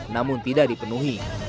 namun tidak dipenuhi